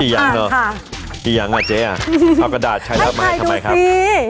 กี่ยังหรอค่ะกี่ยังอ่ะเจ๊อ่ะเอากระดาษใช้รับมาให้ทำไมครับให้ใครดูสิ